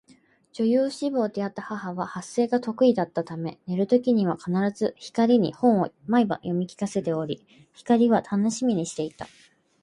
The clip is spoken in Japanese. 女優志望であった母は発声が得意だったため寝る時には必ず光に本を毎晩読み聞かせており、光は楽しみにしていた